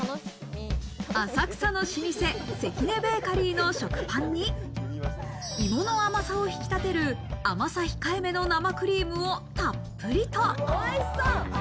浅草の老舗セキネベーカリーの食パンに芋の甘さを引き立てる甘さ控え目の生クリームをたっぷりと。